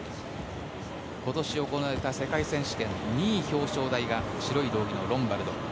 今年行われた世界選手権での２位、表彰台が白い道着のロンバルド。